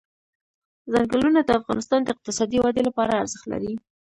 ځنګلونه د افغانستان د اقتصادي ودې لپاره ارزښت لري.